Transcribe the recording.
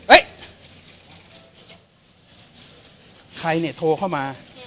ใครเนี่ยโทรเข้ามา